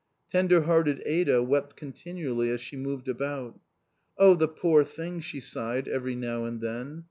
Tender hearted Ada wept continually as she moved about. "Oh, the poor thing!" she sighed every now and then.